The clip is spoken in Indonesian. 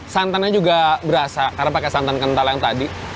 santannya juga berasa karena pakai santan kental yang tadi